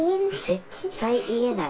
絶対言えない。